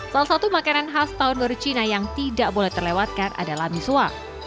salah satu makanan khas tahun baru cina yang tidak boleh terlewatkan adalah misua